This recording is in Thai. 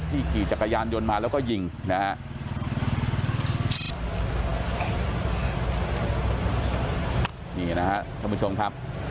ที่ขี่จักรยานยนต์มาแล้วก็ยิงนะฮะ